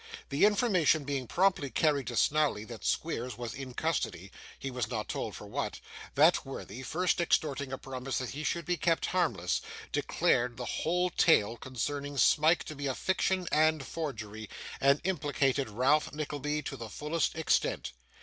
The information being promptly carried to Snawley that Squeers was in custody he was not told for what that worthy, first extorting a promise that he should be kept harmless, declared the whole tale concerning Smike to be a fiction and forgery, and implicated Ralph Nickleby to the fullest extent.